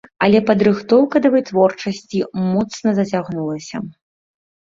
Але падрыхтоўка да вытворчасці моцна зацягнулася.